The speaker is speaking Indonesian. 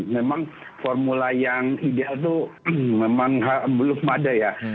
memang formula yang ideal itu memang belum ada ya